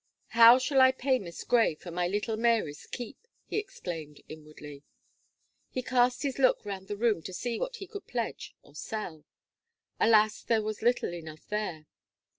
"How shall I pay Miss Gray for my little Mary's keep?" he exclaimed, inwardly. He cast his look round the room to see what he could pledge or sell. Alas! there was little enough there.